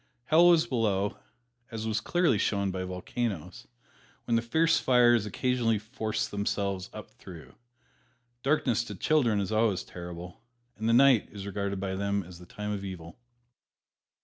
Hell was below, as was clearly shown by volcanoes, when the fierce fires occasionally forced themselves up through. Darkness to children is always terrible, and the night is regarded by them as the time of evil.